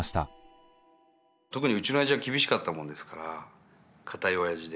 特にうちのおやじは厳しかったもんですから堅いおやじで。